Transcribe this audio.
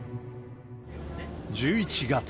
１１月。